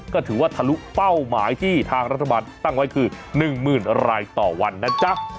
ก็ถือว่าทะลุเป้าหมายที่ทางรัฐบาลตั้งไว้คือ๑๐๐๐รายต่อวันนะจ๊ะ